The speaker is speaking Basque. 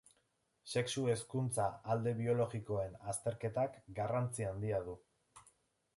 Sexu hezkuntza alde biologikoen azterketak garrantzi handia du.